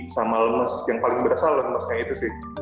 sama lemes yang paling berasa lemesnya itu sih